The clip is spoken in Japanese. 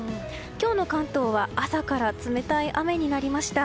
今日の関東は朝から冷たい雨になりました。